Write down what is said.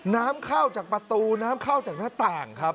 น้ำเข้าจากประตูน้ำเข้าจากหน้าต่างครับ